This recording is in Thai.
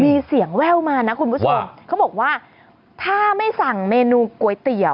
มีเสียงแว่วมานะคุณผู้ชมเขาบอกว่าถ้าไม่สั่งเมนูก๋วยเตี๋ยว